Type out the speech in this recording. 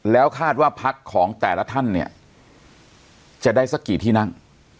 แล้วคาดว่าพักของแต่ละท่านเนี่ยจะได้สักกี่ที่นั่ง